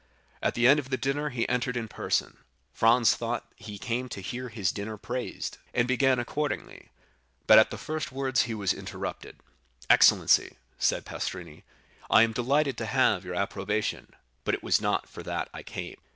At the end of the dinner he entered in person. Franz thought that he came to hear his dinner praised, and began accordingly, but at the first words he was interrupted. "Excellency," said Pastrini, "I am delighted to have your approbation, but it was not for that I came."